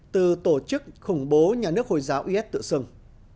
từ tổ chức khủng bố nhà nước hồi giáo is tự xưng